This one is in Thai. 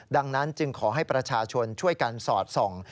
ดังนั้นจึงขอให้ประชาชนช่วยกันสอดส่อง